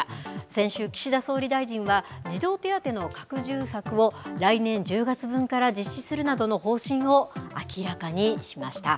先週、岸田総理大臣は、児童手当の拡充策を、来年１０月分から実施するなどの方針を明らかにしました。